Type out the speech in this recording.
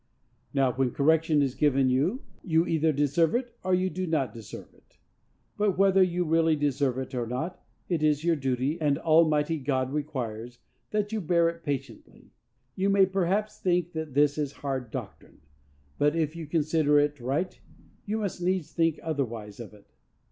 Now, when correction is given you, you either deserve it, or you do not deserve it. But, whether you really deserve it or not, it is your duty, and Almighty God requires, that you bear it patiently You may perhaps think that this is hard doctrine; but if you consider it right, you must needs think otherwise of it.